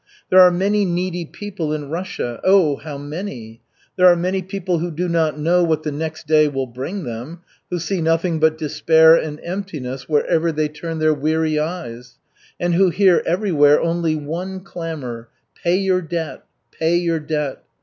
There are many needy people in Russia, oh, how many! There are many people who do not know what the next day will bring them, who see nothing but despair and emptiness wherever they turn their weary eyes, and who hear everywhere only one clamor: "Pay your debt! Pay your debt!"